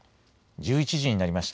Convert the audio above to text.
１１時になりました。